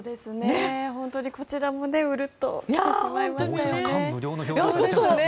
本当にこちらもウルッと来てしまいましたね。